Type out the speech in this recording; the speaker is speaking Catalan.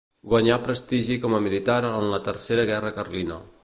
Guanyà prestigi com a militar en la Tercera Guerra Carlina.